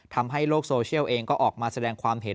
ทำให้โลกโซเชียลเองก็ออกมาแสดงความเห็น